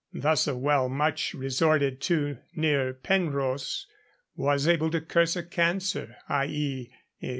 Thus a well much resorted to near Penrhos, was able to curse a cancer, i.e.